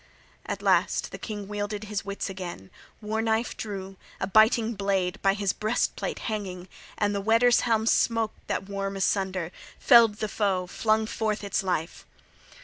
At last the king wielded his wits again, war knife drew, a biting blade by his breastplate hanging, and the Weders' helm smote that worm asunder, felled the foe, flung forth its life.